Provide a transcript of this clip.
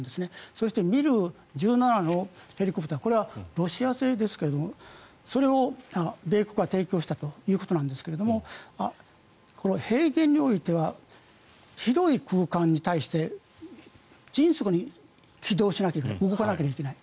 そしてＭｉ１７のヘリコプターこれはロシア製ですがそれを米国は提供したということですが平原においては広い空間に対して迅速に起動しなきゃいけない動かなきゃいけない。